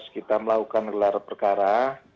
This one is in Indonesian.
kita melakukan gelar perkara